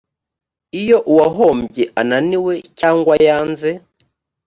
iyo uwahombye ananiwe cyangwa yanze